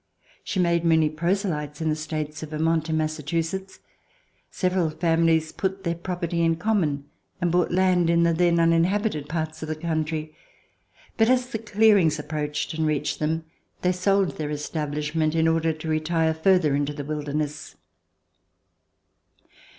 She made many proselytes in the states of Vermont and Massa chusetts. Several families put their property in common and bought land in the then uninhabited parts of the country, but, as the clearings approached and reached them, they sold their establishment in order to retire further into the wilderness.